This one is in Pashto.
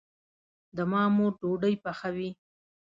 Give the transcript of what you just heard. د ما مور ډوډي پخوي